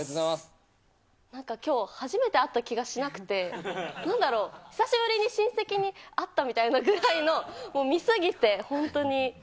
なんかきょう初めて会った気がしなくて、なんだろう、久しぶりに親戚に会ったみたいなぐらいの、見過ぎて、本当に。